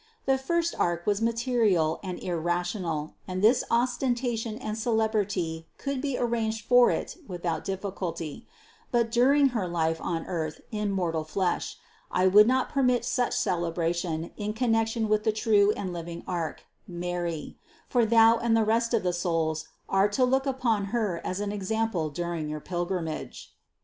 The first ark was ma terial and irrational, and this ostentation and celebrity THE CONCEPTION 329 could be arranged for it without difficulty; but during her life on earth in mortal flesh, I would not permit such celebration in connection with the true and living ark, Mary ; for thou and the rest of the souls are to look upon Her as an example during your pilgrimage.